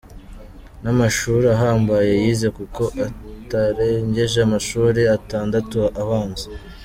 Nta mashuri ahambaye yize kuko atarengeje amashuri atandatu abanza.